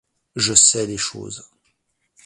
Je sais les choses.